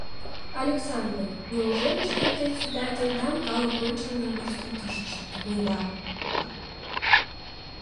— Александр, неужели шке председательдам калык ончылно воштылтышыш лукнеда?